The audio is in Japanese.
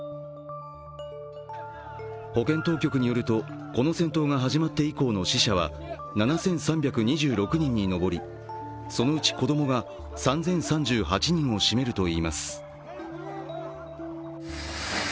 保健当局によると、この戦闘が始まって以降の死者は７３２６人に上り、そのうち子供が３０３８人を占めるといいます。